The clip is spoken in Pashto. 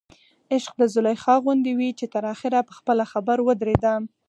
عشق د زلیخا غوندې وي چې تر اخره په خپله خبر ودرېده.